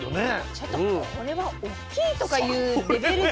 ちょっとこれはおっきいとかいうレベルじゃ。